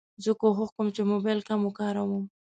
زه کوښښ کوم چې موبایل کم وکاروم.